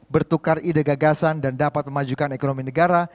bertukar ide gagasan dan dapat memajukan ekonomi negara